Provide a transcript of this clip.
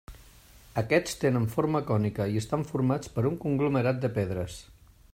Aquests tenen forma cònica i estan formats per un conglomerat de pedres.